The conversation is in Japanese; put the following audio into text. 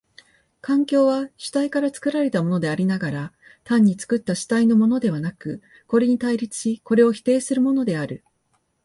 環境は主体から作られたものでありながら、単に作った主体のものではなく、これに対立しこれを否定するものである。